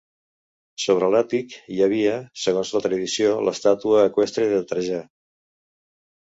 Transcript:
Sobre l'àtic hi havia, segons la tradició, l'estàtua eqüestre de Trajà.